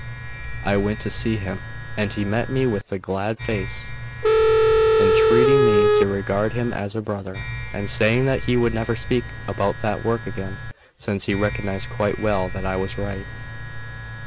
I went to see him; and he met me with a glad face, entreating me to regard him as a brother, and saying that he would never speak about that work again, since he recognised quite well that I was right.